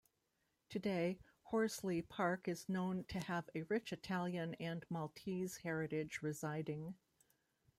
Today, Horsley Park is known to have a rich Italian and Maltese heritage residing.